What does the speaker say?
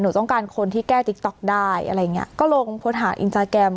ต้องการคนที่แก้ติ๊กต๊อกได้อะไรอย่างเงี้ยก็ลงโพสต์หาอินสตาแกรม